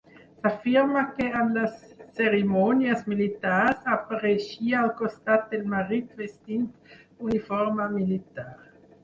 S'afirma que, en les cerimònies militars, apareixia al costat del marit vestint uniforme militar.